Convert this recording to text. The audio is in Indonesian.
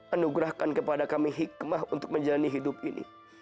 anugerahkan kepada kami hikmah untuk menjalani hidup ini